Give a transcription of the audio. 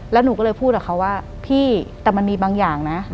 แล้วหนูก็เลยพูดกับเขาว่าพี่แต่มันมีบางอย่างนะ